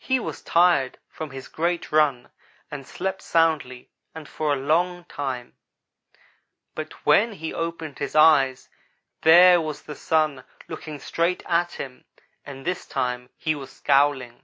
He was tired from his great run and slept soundly and for a long time, but when he opened his eyes there was the Sun looking straight at him, and this time he was scowling.